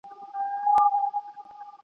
په زړه خواشیني د کابل ښکلي ..